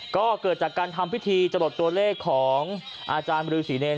ก็เกิดจากการทำพิธีจรดตัวเลขของอาจารย์บริษีเนร